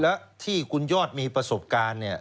และที่คุณยอดมีประสบการณ์